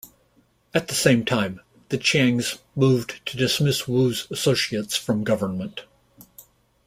At the same time, the Chiangs moved to dismiss Wu's associates from government.